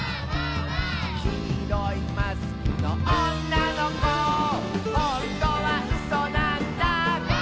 「きいろいマスクのおんなのこ」「ほんとはうそなんだ」